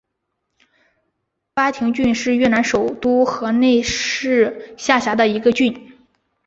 巴亭郡是越南首都河内市下辖的一个郡。